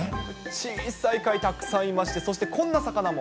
小さい貝たくさんいまして、そしてこんな魚も。